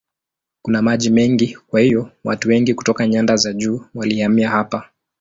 Kuna maji mengi kwa hiyo watu wengi kutoka nyanda za juu walihamia hapa.